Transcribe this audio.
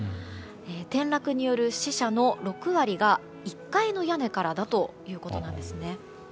転落による死者の６割が１階の屋根からだということなんですね。